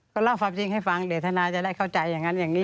ก็เล่าความจริงให้ฟังเดี๋ยวทนายจะได้เข้าใจอย่างนั้นอย่างนี้